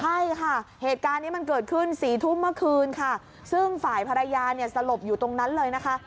ใช่ค่ะเหตุการณ์นี้มันเกิดขึ้นสี่ทุ่มเมื่อคืนค่ะซึ่งฝ่ายภรรยาเนี่ยสลบอยู่ตรงนั้นเลยนะคะ